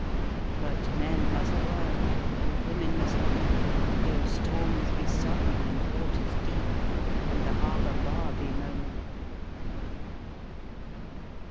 But men must work, and women must weep, Though storms be sudden, and waters deep, And the harbour bar be moaning.